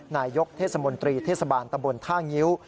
นายกเทศมนตรีเทศบาลตำบลท่างิ้ว